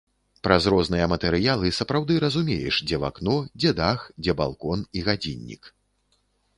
Праз розныя матэрыялы сапраўды разумееш, дзе вакно, дзе дах, дзе балкон і гадзіннік.